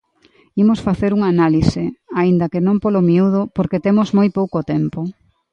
Imos facer unha análise, aínda que non polo miúdo, porque temos moi pouco tempo.